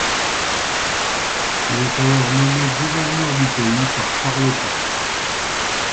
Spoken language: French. Il est alors nommé gouverneur du pays par Charles Quint.